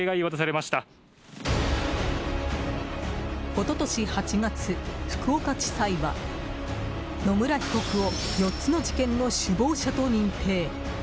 一昨年８月、福岡地裁は野村被告を４つの事件の首謀者と認定。